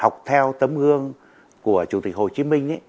học theo tấm gương của chủ tịch hồ chí minh